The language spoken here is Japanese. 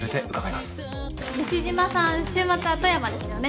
西島さん週末は富山ですよね？